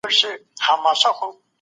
شوې او نقد شوې